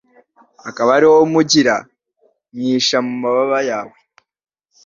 akaba ari ho mpungira nkihisha mu mababa yawe